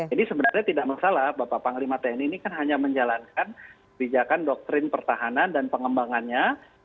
jadi sebenarnya tidak masalah bapak panglima tni ini kan hanya menjalankan kebijakan doktrin pertahanan dan pengembangannya